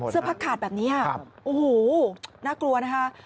เสื้อพักขาดแบบนี้โอ้โหน่ากลัวนะคะ